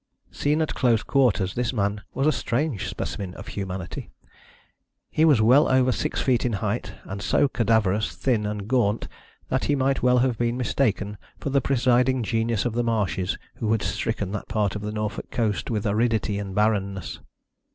Seen at close quarters, this man was a strange specimen of humanity. He was well over six feet in height, and so cadaverous, thin and gaunt that he might well have been mistaken for the presiding genius of the marshes who had stricken that part of the Norfolk coast with aridity and barrenness.